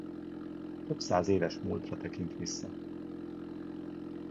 Több száz éves múltra tekint vissza.